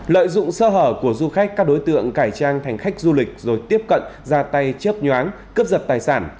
lợi dụng sơ hở của du khách các đối tượng cải trang thành khách du lịch rồi tiếp cận ra tay chớp nhoáng cướp giật tài sản